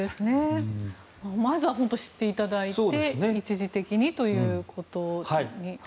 まずは本当に知っていただいて一時的にということに。